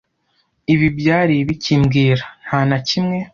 "Ibi byari ibiki mbwira" "Nta na kimwe."